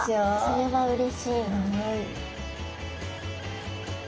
それはうれしい。